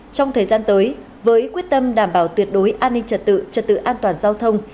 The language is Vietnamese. trong thời gian tới với quyết tâm đảm bảo tuyệt đối an ninh trật tự trật tự an toàn giao thông